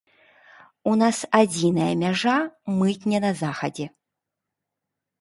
У нас адзіная мяжа, мытня на захадзе.